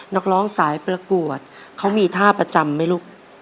นักร้องสายประกวดเขามีท่าประจำไหมลูก